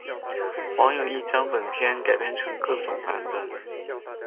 网友亦将本片改编成各种版本。